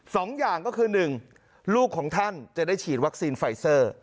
สองอย่างก็คือหนึ่งลูกของท่านจะได้ฉีดวัคซีนไฟเซอร์